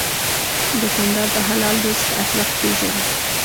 دوکاندار د حلال رزق ارزښت پېژني.